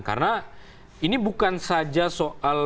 karena ini bukan saja soal